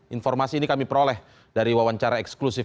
informasi ini kami peroleh dari wawancara eksklusif